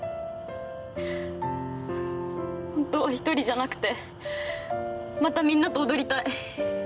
ホントは１人じゃなくてまたみんなと踊りたい。